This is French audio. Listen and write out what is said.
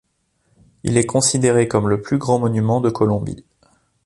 Il est considéré comme le plus grand monument de Colombie.